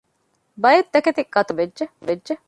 ބައެއްތަކެތި ގަތުމަށް ބޭނުންވެއްޖެ